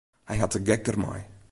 Hy hat de gek dermei.